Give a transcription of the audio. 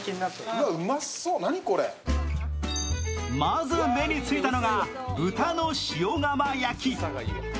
まず目についたのが豚の塩釜焼き。